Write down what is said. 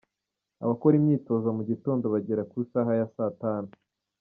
Abakora imyitozo mu gitondo bagera ku isaha ya saa tanu.